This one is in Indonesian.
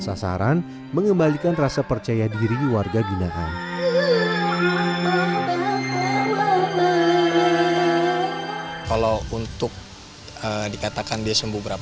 sasaran mengembalikan rasa percaya diri warga jinaan kalau untuk dikatakan desa mublama itu tergantung apa yang masalah yang dia sampaikan pada masyarakat dia selalu menginspirasi dengan tubuh keadaan saya untuk kembali ke